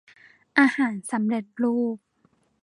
อาหารสำเร็จรูป